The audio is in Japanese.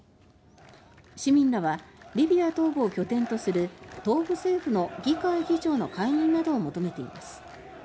市民らはリビア東部を拠点とする「東部政府」の議会議長の解任などを求めています。